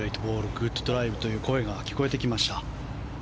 グッドドライブという声が聞こえてきました。